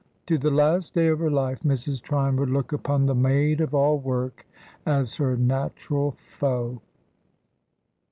To the last day of her life, Mrs. Tryon would look upon the maid of all work as her natural foe.